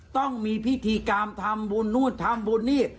ต้องมีพิธีกรรมทำบุญนู่นทำบุญนี่